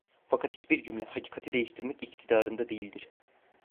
Fakat hiçbir cümle hakikati değiştirmek iktidarında değildir.